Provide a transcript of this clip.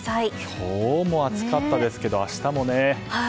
今日も暑かったですが明日もね。